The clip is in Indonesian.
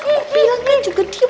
mobilnya juga diem